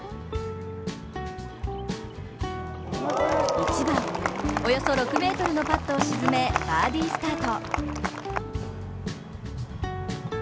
１番、およそ６ｍのパットを沈めバーディースタート。